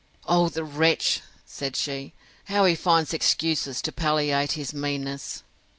O the wretch! said she, how he finds excuses to palliate his meanness!